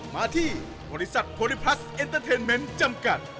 มาที่บริษัทโพลิพลัสเอ็นเตอร์เทนเมนต์จำกัด